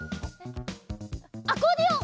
アコーディオン！